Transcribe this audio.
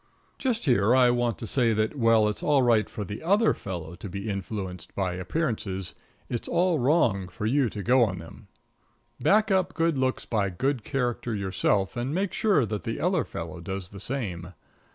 Just here I want to say that while it's all right for the other fellow to be influenced by appearances, it's all wrong for you to go on them. Back up good looks by good character yourself, and make sure that the other fellow does the same.